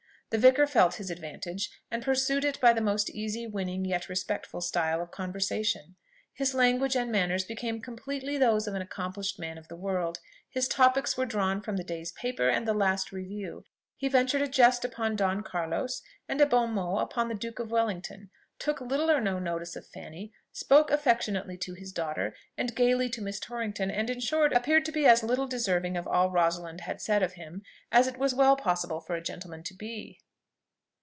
The vicar felt his advantage, and pursued it by the most easy, winning, yet respectful style of conversation. His language and manners became completely those of an accomplished man of the world; his topics were drawn from the day's paper and the last review: he ventured a jest upon Don Carlos, and a bon mot upon the Duke of Wellington; took little or no notice of Fanny; spoke affectionately to his daughter, and gaily to Miss Torrington; and, in short, appeared to be as little deserving of all Rosalind had said of him, as it was well possible for a gentleman to be.